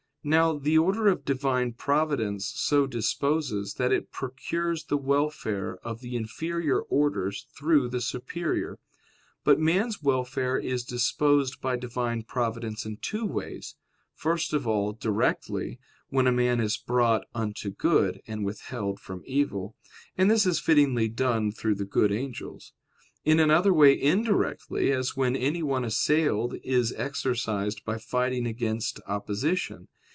Now the order of Divine providence so disposes, that it procures the welfare of the inferior orders through the superior. But man's welfare is disposed by Divine providence in two ways: first of all, directly, when a man is brought unto good and withheld from evil; and this is fittingly done through the good angels. In another way, indirectly, as when anyone assailed is exercised by fighting against opposition.